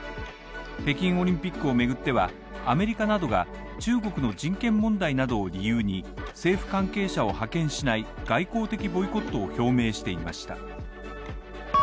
北京オリンピックを巡っては、アメリカなどが中国の人権問題などを理由に政府関係者を派遣しない外交的ボイコットを表明していました。